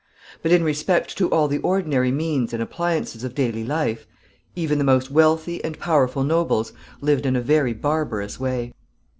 But in respect to all the ordinary means and appliances of daily life, even the most wealthy and powerful nobles lived in a very barbarous way.